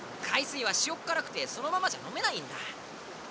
かいすいはしおっからくてそのままじゃのめないんだ。